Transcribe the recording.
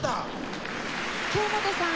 京本さん